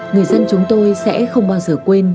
người dân chúng tôi sẽ không bao giờ quên